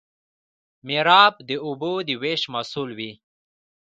میرآب د اوبو د ویش مسوول وي.